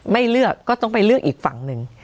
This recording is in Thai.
ไม่เลือกก็ต้องไปเลือกอีกฝั่งหนึ่ง